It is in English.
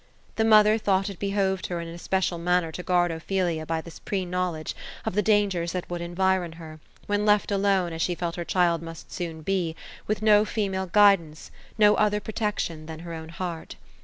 The mother thought it behoved her in an especial manner to guard Ophelia by this pre knowledge of the dangers that would environ her, when left alone as she felt her child soon must be, with no female guidance, no other pro tection than her own heart.